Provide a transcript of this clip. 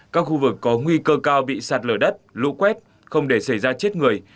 các khu vực có nguy cơ cao bị sạt lở đất lũ quét không để xảy ra chết người